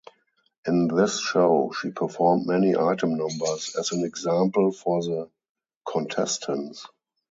In this show, she performed many item numbers as an example for the contestants.